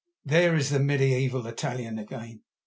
There is the mediaeval Italian again!